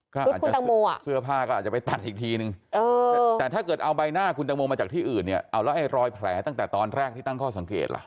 ก็อาจจะเสื้อผ้าก็อาจจะไปตัดอีกทีนึงแต่ถ้าเกิดเอาใบหน้าคุณตังโมมาจากที่อื่นเนี่ยเอาแล้วไอ้รอยแผลตั้งแต่ตอนแรกที่ตั้งข้อสังเกตล่ะ